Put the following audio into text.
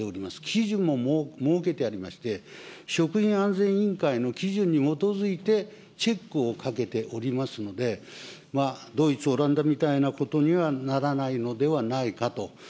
基準も設けてありまして、食品安全委員会の基準に基づいてチェックをかけておりますので、ドイツ、オランダみたいなことにはならないのではないかと。